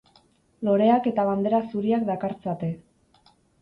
Loreak eta bandera zuriak dakartzate.